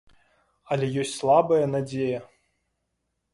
Але ёсць слабая надзея.